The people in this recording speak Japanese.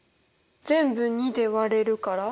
全部２で割れるから？